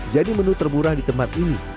jadi menu terburah di tempat ini